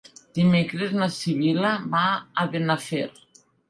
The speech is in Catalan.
Dimecres na Sibil·la va a Benafer.